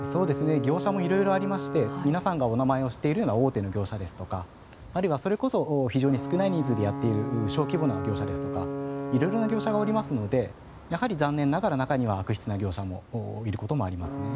業者も色々ありまして皆さんがお名前を知っているような大手の業者ですとかあるいはそれこそ少ない人数でやっている小規模な業者ですとか色々な業者がおりますので残念ながら中には悪質な業者もいることもありますね。